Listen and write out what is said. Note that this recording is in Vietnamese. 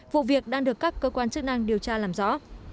vụ việc đang được các cơ quan chức năng điều tra làm rõ